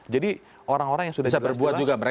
jadi orang orang yang sudah jelas jelas